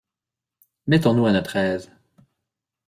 Mettons-nous à notre aise.